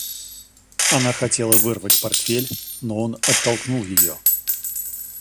Она хотела вырвать портфель, но он оттолкнул ее.